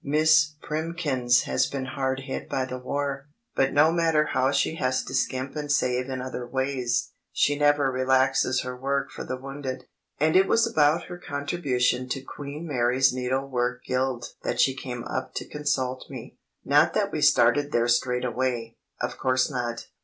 Miss Primkins has been hard hit by the War, but no matter how she has to skimp and save in other ways, she never relaxes her work for the wounded. And it was about her contribution to Queen Mary's Needlework Guild that she came up to consult me. Not that we started there straight away—of course not.